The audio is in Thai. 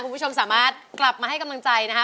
คุณผู้ชมสามารถกลับมาให้กำลังใจนะคะ